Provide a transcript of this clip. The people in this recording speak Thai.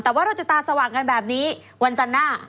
แต่ว่าเราจะตาสว่างกันแบบนี้วันจันทร์หน้า